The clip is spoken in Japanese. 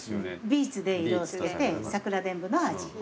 ビーツで色をつけて桜でんぶの味。